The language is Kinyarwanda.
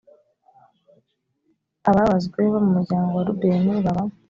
ababazwe bo mu muryango wa rubeni baba